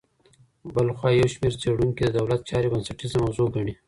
بلخوا يو شمېر څېړونکي د دولت چارې بنسټيزه موضوع ګڼي.